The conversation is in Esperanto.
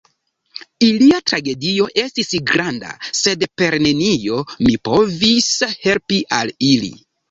Ilia tragedio estis granda, sed per nenio mi povis helpi al ili.